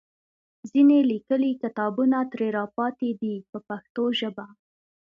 ځینې لیکلي کتابونه ترې راپاتې دي په پښتو ژبه.